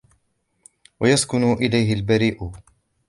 وَيَسْكُنُ إلَيْهِ الْبَرِيءُ